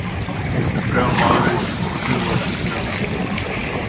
Este prea mare și continuă să crească.